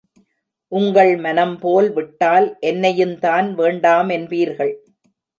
உங்கள் மனம் போல் விட்டால் என்னையுந்தான் வேண்டாமென்பீர்கள்.